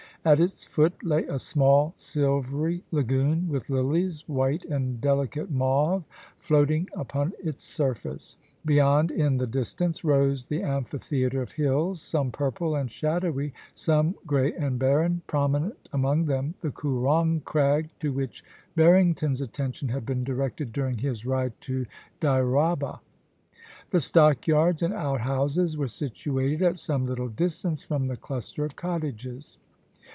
At its foot lay a small silvery lagoon, with lilies, white and delicate mauve, floating upon its surface. Beyond, in the distance, rose the amphitheatre of hills, some purple and shadowy, some grey and barren, prominent among them the Koorong Crag, to which Barrington's attention had been directed during his ride to Dyraaba. The stockyards and outhouses were situated at some little distance from the cluster of cottages.